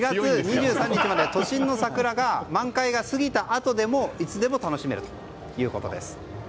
４月２３日まで都心の桜の満開が過ぎたあとでもいつでも楽しめるということです。